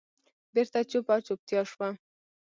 بېرته چوپه چوپتیا شوه.